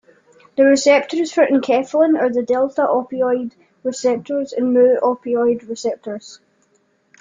The receptors for enkephalin are the delta opioid receptors and mu opioid receptors.